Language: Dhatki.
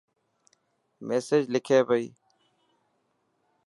ميسج لکي پئي.